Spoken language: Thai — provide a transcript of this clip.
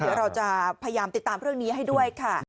เดี๋ยวเราจะพยายามติดตามเรื่องนี้ให้ด้วยค่ะ